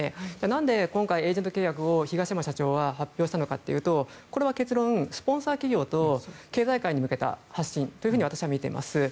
何で、今回エージェント契約を東山社長は発表したのかというとこれは結論、スポンサー企業と経済界に向けた発信と私はみています。